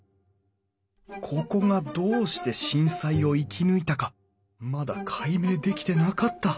ここがどうして震災を生き抜いたかまだ解明できてなかった！